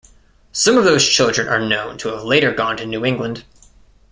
Some of those children are known to have later gone to New England.